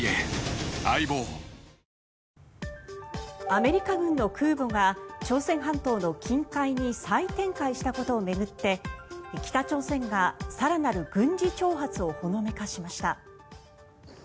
アメリカ軍の空母が朝鮮半島の近海に再展開したことを巡って北朝鮮が更なる軍事挑発をほのめかしました。